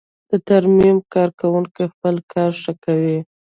د ترمیم کارکوونکی خپل کار ښه کوي.